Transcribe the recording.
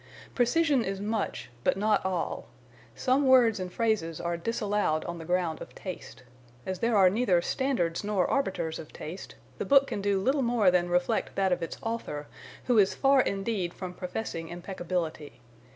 Precision is much, but not all; some words and phrases are disallowed on the ground of taste. As there are neither standards nor arbiters of taste, the book can do little more than reflect that of its author, who is far indeed from professing impeccability.